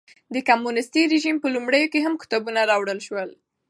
د کمونېستي رژیم په لومړیو کې هم کتابونه راوړل شول.